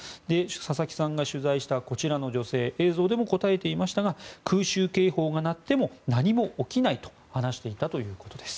佐々木さんが取材したこちらの女性映像でも答えていましたが空襲警報が鳴っても何も起きないと話していたということです。